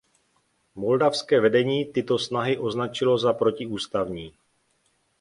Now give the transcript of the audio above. Moldavské vedení tyto snahy označilo za protiústavní.